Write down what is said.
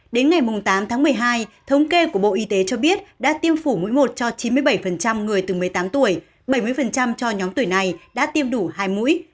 đến ngày tám tháng một mươi hai thống kê của bộ y tế cho biết đã tiêm phủ mũi một cho chín mươi bảy người từ một mươi tám tuổi bảy mươi cho nhóm tuổi này đã tiêm đủ hai mũi